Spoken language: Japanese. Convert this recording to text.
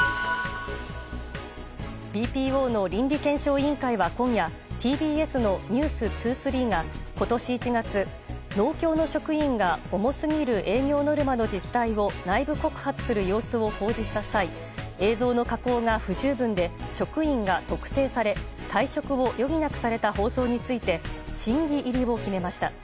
ＢＰＯの倫理検証委員会は今夜ＴＢＳの「ｎｅｗｓ２３」が今年１月、農協の職員が重すぎる営業ノルマの実態を内部告発する様子を放送した際映像の加工が不十分で職員が特定され退職を余儀なくされた放送について審議入りを決めました。